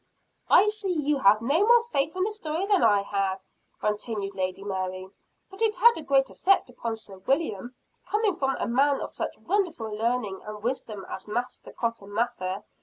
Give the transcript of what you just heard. "I see you have no more faith in the story than I have," continued Lady Mary. "But it had a great effect upon Sir William, coming from a man of such wonderful learning and wisdom as Master Cotton Mather.